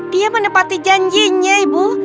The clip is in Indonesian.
dia menepati janjinya ibu